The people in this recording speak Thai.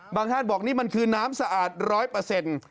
ท่านบอกนี่มันคือน้ำสะอาดร้อยเปอร์เซ็นต์